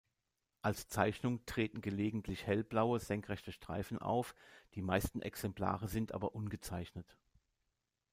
Als Zeichnung treten gelegentlich hellblaue, senkrechte Streifen auf, die meisten Exemplare sind aber ungezeichnet.